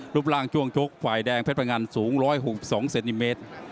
รูปร่างช่วงชกฝ่ายแดงเพชรพงันสูง๑๖๒เซนติเมตร